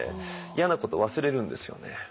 嫌なこと忘れるんですよね。